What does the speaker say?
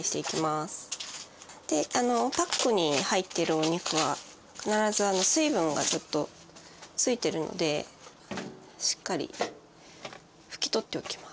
でパックに入ってるお肉は必ず水分がちょっとついてるのでしっかり拭き取っておきます。